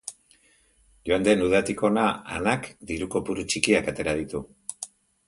Joan den udatik hona, Anak diru kopuru txikiak atera ditu.